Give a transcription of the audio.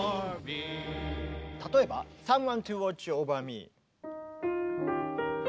例えば「サムワン・トゥ・ウォッチ・オーバー・ミー」。